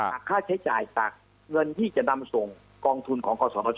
หากค่าใช้จ่ายจากเงินที่จะนำส่งกองทุนของกศธช